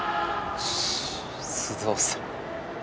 須藤さん！